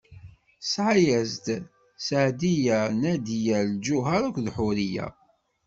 Tesɛa-as-d: Seɛdiya, Nadiya, Lǧuheṛ akked Ḥuriya.